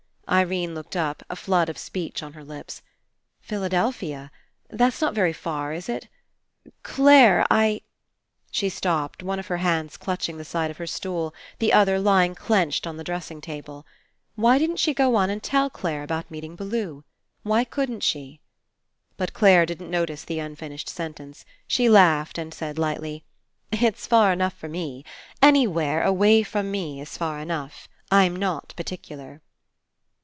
Irene looked up, a flood of speech on her lips. "Philadelphia. That's not very far, is it? Clare, I—?" She stopped, one of her hands clutch ing the side of her stool, the other lying clenched on the dressing table. Why didn't she 195 PASSING go on and tell Clare about meeting Bellew? Why couldn't she? But Clare didn't notice the unfinished sentence. She laughed and said lightly: "It's far enough for me. Anywhere, away from me, is far enough. I'm not particular."